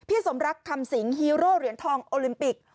พี่สมรักธรรมสีงฮีโร่เหรียญทองโอลิมปิก